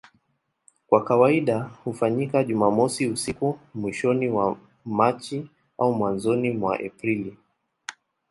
Kwa kawaida hufanyika Jumamosi usiku mwishoni mwa Machi au mwanzoni mwa Aprili.